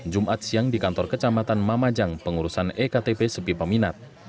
jumat siang di kantor kecamatan mamajang pengurusan ektp sepi peminat